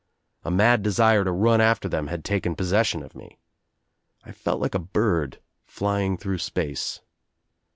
A mad desire to run after them had taken pos t session of me. I felt like a bird flying through space.